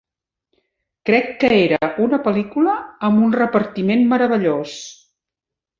Crec que era una pel·lícula amb un repartiment meravellós.